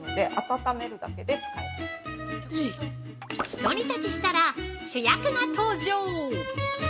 ◆ひと煮立ちしたら、主役が登場。